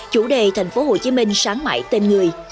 chủ đề thành phố hồ chí minh sáng mãi tên người